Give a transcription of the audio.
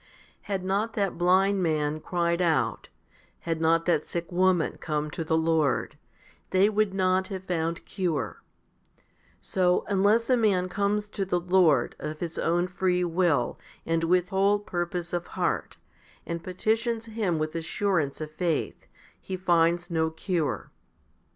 8. Had not that blind man cried out, had not that sick woman come to the Lord, they would not have found cure ; so, unless a man comes to the Lord of his own free will and with whole purpose of heart, and petitions Him with assurance of faith, he finds no cure.